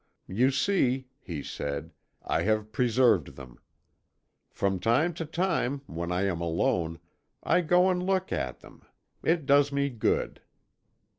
"You see," he said, "I have preserved them. From time to time, when I am alone, I go and look at them; it does me good."